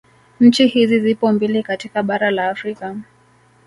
Nchi hizi zipo mbili katika bara la Afrika